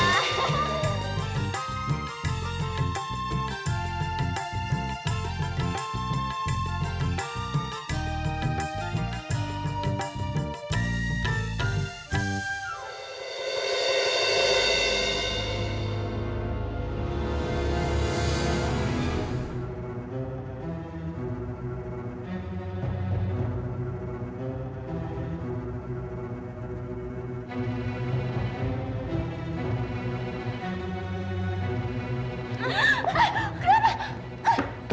terima kasih mas